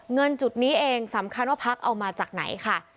เงินจุดนี้เองสำคัญว่าพักเอามาจากไหนค่ะ